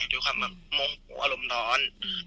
ดูค่ะมงค์อารมณ์ร้อน